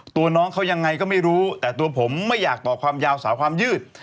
ตัวน้องเขายังไงก็ไม่รู้แต่ตัวผมไม่อยากต่อความยาวสาวความยืด